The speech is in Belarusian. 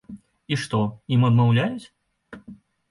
І што, ім адмаўляюць?